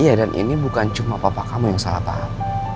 iya dan ini bukan cuma papa kamu yang salah paham